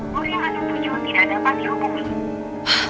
buri masih tujuh tidak dapat dihubungi